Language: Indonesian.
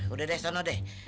udah deh sana deh